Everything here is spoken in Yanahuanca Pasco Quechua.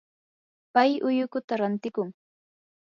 pay ullukuta rantiykun.